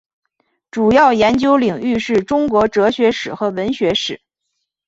主要研究领域是中国哲学史和文学史。